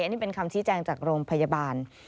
อันนี้เป็นคำชี้แจงจากโรงพยาบาล